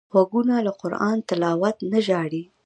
غوږونه له قران تلاوت نه ژاړي